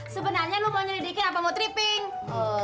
sebenarnya lu mau nyelidikin apa mutri pink